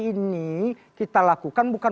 ini kita lakukan bukan